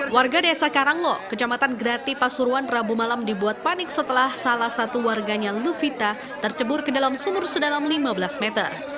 warga desa karanglo kecamatan grati pasuruan rabu malam dibuat panik setelah salah satu warganya luvita tercebur ke dalam sumur sedalam lima belas meter